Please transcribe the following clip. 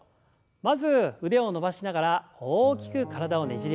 まず腕を伸ばしながら大きく体をねじります。